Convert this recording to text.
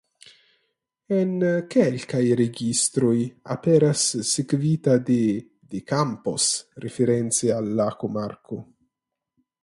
En kelkaj registroj aperas sekvita de "de Campos" reference al la komarko.